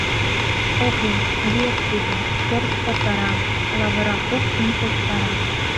Ок лий, вий ок сите, чер пытара, лавыра куп тӱнчыктара.